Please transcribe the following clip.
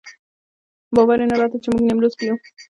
باور یې نه راته چې موږ نیمروز کې یو.